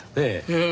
うん。